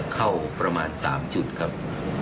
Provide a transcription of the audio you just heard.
เข้าประมาณ๓จุดครับ